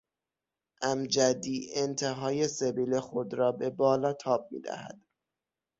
امجدی انتهای سبیل خود را به بالا تاب میدهد.